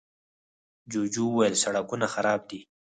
جوجو وويل، سړکونه خراب دي.